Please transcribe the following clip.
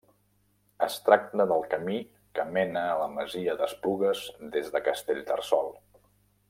Es tracta del camí que mena a la masia d'Esplugues des de Castellterçol.